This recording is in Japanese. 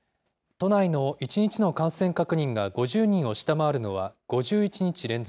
都内の１日の感染確認が５０人を下回るのは５１日連続。